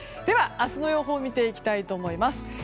では明日の予報を見ていきたいと思います。